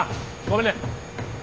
ごめんね。